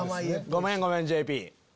ごめんごめんＪＰ。